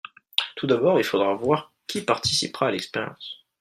tout d'abord il faudra voir qui participera à l'expérience.